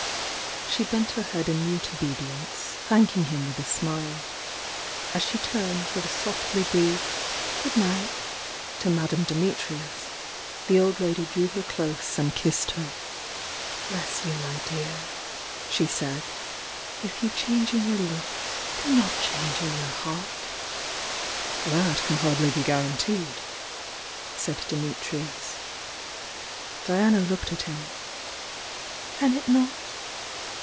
She bent her head in mute obedience, thanking him with a smile. As she turned with a softly breathed "good night" to Madame Dimitrius, the old lady drew her close and kissed her. "Bless you, my dear!" she said. "If you change in your looks, do not change in your heart!" "That can ardly be guaranteed," said Dimitrius. Diana looked at him. "Can it not?